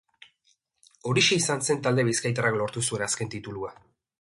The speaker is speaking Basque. Horixe izan zen talde bizkaitarrak lortu zuen azken titulua.